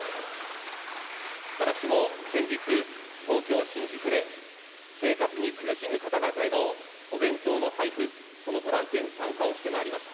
私も先日、東京・新宿で生活に苦しむ方々へのお弁当の配付、そのボランティアに参加をしてまいりました。